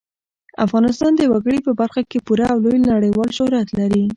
افغانستان د وګړي په برخه کې پوره او لوی نړیوال شهرت لري.